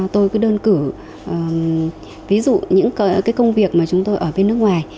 tôi cứ đơn cử ví dụ những cái công việc mà chúng tôi ở bên nước ngoài